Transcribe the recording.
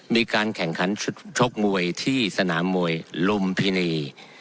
มีการแข่งขันชุดชกมวยที่สนามมวยลุมพินี